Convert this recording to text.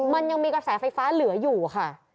มันยังมีกระแสไฟฟ้าเหลืออยู่ค่ะ